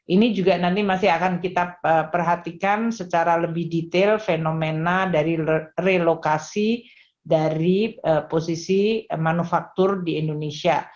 ini juga nanti masih akan kita perhatikan secara lebih detail fenomena dari relokasi dari posisi manufaktur di indonesia